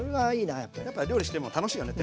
やっぱ料理しても楽しいよね